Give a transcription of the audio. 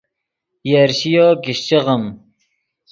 من یرشِیو کیشچے غیم